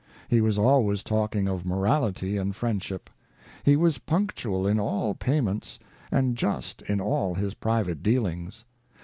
He was always talking of morality and friend ship. He was punctual in all payments, and just in all his private dealings.